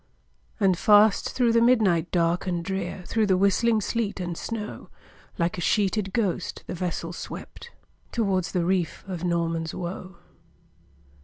And fast through the midnight dark and drear, Through the whistling sleet and snow, Like a sheeted ghost, the vessel swept Towards the reef of Norman's Woe.